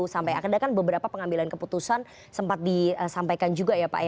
sampai akhirnya kan beberapa pengambilan keputusan sempat disampaikan juga ya pak ya